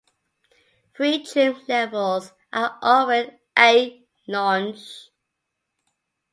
Three trim levels are offered ay launch.